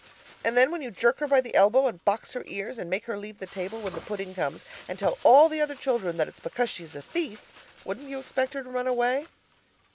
And then when you jerk her by the elbow and box her ears, and make her leave the table when the pudding comes, and tell all the other children that it's because she's a thief, wouldn't you expect her to run away?